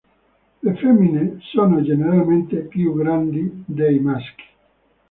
Le femmine sono generalmente più grandi dei maschi.